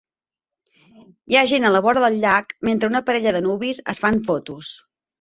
Hi ha gent a la vora del llac mentre una parella de nuvis es fan fotos.